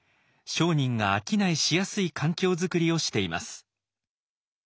商人が商いしやすい環境づくりをしています。